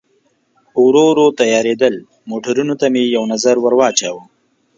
ورو ورو تیارېدل، موټرونو ته مې یو نظر ور واچاوه.